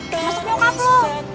termasuk nyokap lo